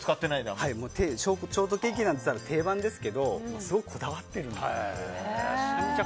ショートケーキといったら定番ですけどすごくこだわってるんです。